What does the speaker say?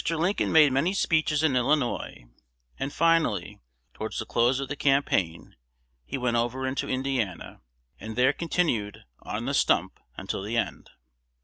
Lincoln made many speeches in Illinois, and finally, towards the close of the campaign, he went over into Indiana, and there continued "on the stump" until the end.